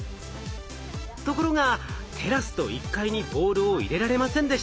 ところがテラスと１階にボールを入れられませんでした。